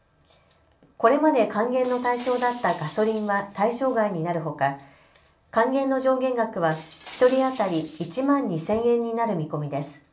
これまで還元の対象だったガソリンは対象外になるほか還元の上限額は１人当たり１万２０００円になる見込みです。